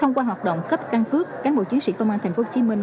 hôm qua hoạt động cấp căn cứ các bộ chiến sĩ công an thành phố hồ chí minh